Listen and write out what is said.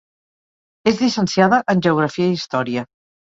És llicenciada en Geografia i Història.